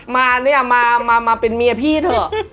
มาเนี่ยมาเป็นเมียพี่เถอะ